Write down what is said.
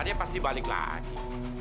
dia pasti balik lagi